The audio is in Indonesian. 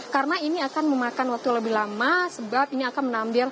karena ini akan memakan waktu lebih lama sebab ini akan menambil nomor antrian